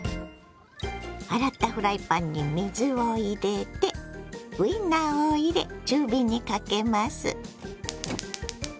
洗ったフライパンに水を入れてウインナーを入れ中火にかけます。